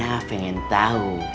saya ingin tahu